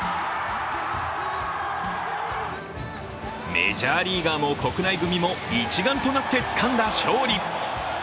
メジャーリーガーも国内組も一丸となってつかんだ勝利。